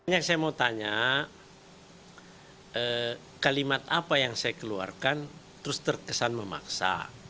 yang saya mau tanya kalimat apa yang saya keluarkan terus terkesan memaksa